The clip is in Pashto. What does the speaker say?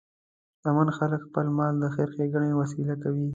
شتمن خلک خپل مال د خیر ښیګڼې وسیله کوي.